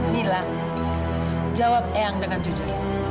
bila jawab eyang dengan jujur